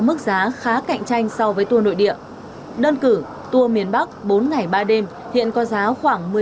mức giá khá cạnh tranh so với tour nội địa đơn cử tour miền bắc bốn ngày ba đêm hiện có giá khoảng